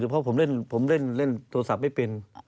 เพราะผมเล่นโทรศัพท์ไม่เป็น